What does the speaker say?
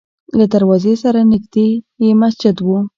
له دروازې سره نږدې یې مسجد و.